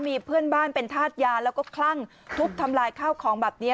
มีเพื่อนบ้านเป็นธาตุยาแล้วก็คลั่งทุบทำลายข้าวของแบบนี้